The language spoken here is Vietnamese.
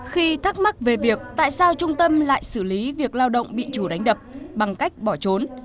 khi thắc mắc về việc tại sao trung tâm lại xử lý việc lao động bị chủ đánh đập bằng cách bỏ trốn